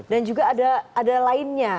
dan juga ada lainnya